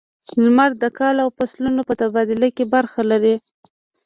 • لمر د کال او فصلونو په تبادله کې برخه لري.